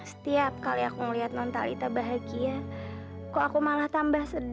setiap kali aku ngeliat non talita bahagia kok aku malah tambah sedih